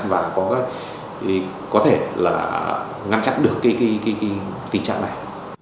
và có thể là ngăn chặn được cái tình trạng này